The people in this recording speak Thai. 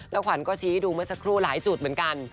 แล้วขวัญก็ชี้ดูเมื่อสักครู่หลายจุดเหมือนกัน